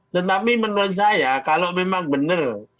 tetapi menurut saya kalau memang benar